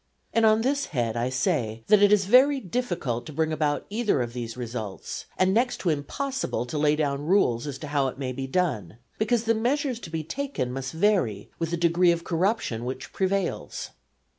And on this head I say that it is very difficult to bring about either of these results, and next to impossible to lay down rules as to how it may be done; because the measures to be taken must vary with the degree of corruption which prevails.